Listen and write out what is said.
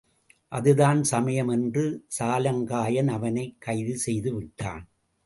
அதுதான் சமயம் என்று சாலங்காயன் அவனைக் கைது செய்துவிட்டான்.